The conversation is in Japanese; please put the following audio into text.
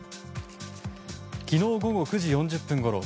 昨日午後９時４０分ごろ